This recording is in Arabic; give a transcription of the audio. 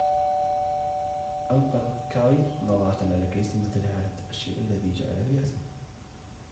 ألقت كايت نظرة على كريس ثم تجاهلته، الشيء الذي جعله يحزن.